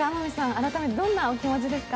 改めてどんなお気持ちですか？